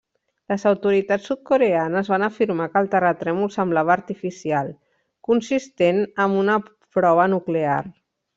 Les autoritats sud-coreanes van afirmar que el terratrèmol semblava artificial, consistent amb una prova nuclear.